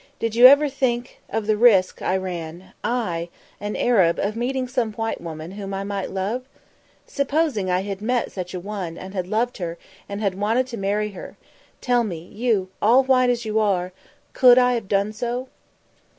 Did you ever think of the risk I ran, I, an Arab, of meeting some white woman, whom I might love? Supposing I had met such an one, and had loved her, and had wanted to marry her, tell me, you, all white as you are, could I have done so?"